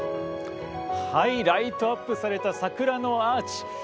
ライトアップされた桜のアーチ。